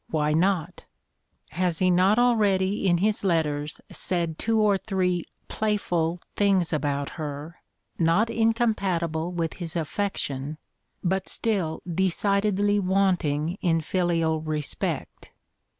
Why not? Has he not already in his letters said two or three "playful" things about her, not incompatible with his affection, but still decidedly wanting in filial respect?